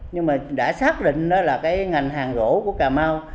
nhưng mà đã xác định đó là cái ngành hàng rổ của cà mau